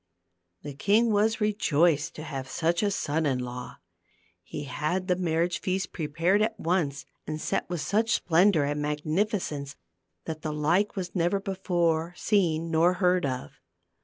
The king was rejoiced to have such a son in law. He had the marriage feast prepared at once and set with such splendor and magnificence that the like was never before seen nor heard of.